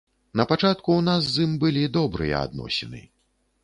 На пачатку ў нас з ім былі добрыя адносіны.